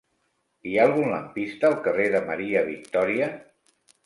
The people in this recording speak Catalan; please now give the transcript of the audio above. Hi ha algun lampista al carrer de Maria Victòria?